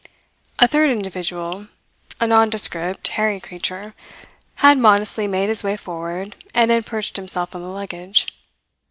A third individual a nondescript, hairy creature had modestly made his way forward and had perched himself on the luggage.